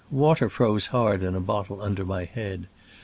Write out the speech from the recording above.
Water froze hard in a bottle under my head.